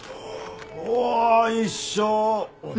お一緒！